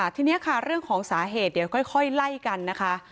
ทีนี้ค่ะเรื่องของสาเหตุเดี๋ยวค่อยไล่กันนะคะ